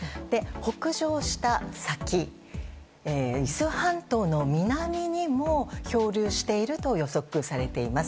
北上した先、伊豆半島の南にも漂流していると予測されています。